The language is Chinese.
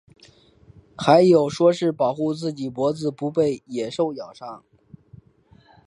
还有说是保护自己脖子不被野兽咬伤。